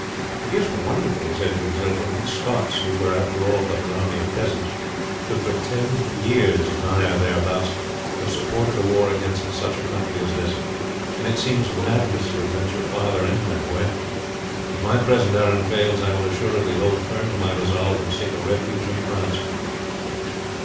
"It is wonderful," he said to himself, "that we Scots, who were after all but an army of peasants, could for nigh ten years have supported a war against such a country as this, and it seems madness to adventure farther in that way. If my present errand fails I will assuredly hold firm to my resolve and seek a refuge in France."